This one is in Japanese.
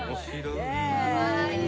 かわいい。